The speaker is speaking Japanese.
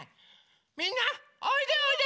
みんなおいでおいで！